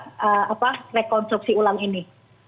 dan saya tidak mau mencoba rekonstruksi ulang ini